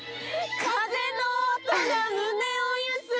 風の音が胸をゆする